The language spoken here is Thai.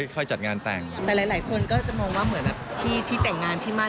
แต่หลายคนก็จะมองว่าเหมือนที่แต่งงานที่มั่น